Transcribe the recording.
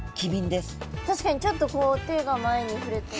確かにちょっとこう手が前に触れただけで。